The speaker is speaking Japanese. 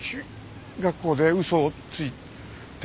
学校でうそをついて。